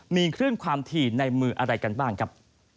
มีคลื่นความถี่ในมืออะไรกันบ้างครับ